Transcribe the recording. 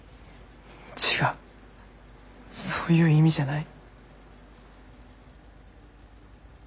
違うそういう意味じゃない。